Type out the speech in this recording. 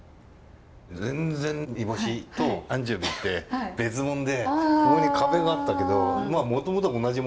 全然煮干しとアンチョビって別物でここに壁があったけどまあもともとは同じものだから。